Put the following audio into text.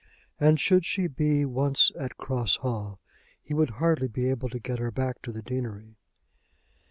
And should she be once at Cross Hall he would hardly be able to get her back to the deanery.